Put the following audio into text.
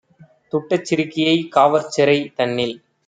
துட்டச் சிறுக்கியைக் காவற்சிறை - தன்னில்